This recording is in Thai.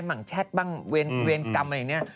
หลักแชทเม่งเวรกรรมไอ้เนี่ย